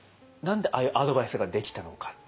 何でアドバイスができたのか。